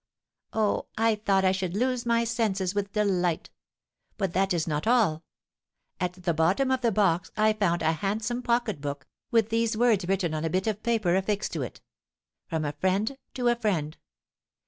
Oh, I thought I should lose my senses with delight! But that is not all. At the bottom of the box I found a handsome pocketbook, with these words written on a bit of paper affixed to it, 'From a friend to a friend.'